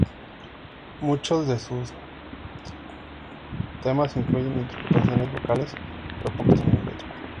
Muchos de sus temas incluyen interpretaciones vocales, pero pocos tienen letra.